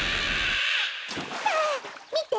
はあみて！